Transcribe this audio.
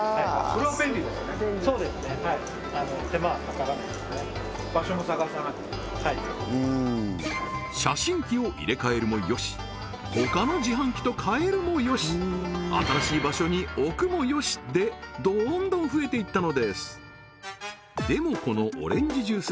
ただ証明ってことで写真機を入れ替えるもよし他の自販機と替えるもよし新しい場所に置くもよしでどんどん増えていったのですでもこのオレンジジュース